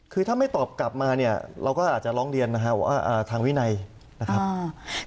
คือถ้าไม่ตอบกลับมาเนี่ยเราก็อาจจะร้องเรียนนะครับว่าทางวินัยนะครับ